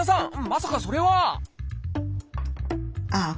まさかそれは！